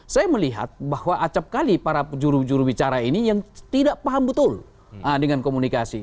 saya melihat bahwa acapkali para juru jurubicara ini yang tidak paham betul dengan komunikasi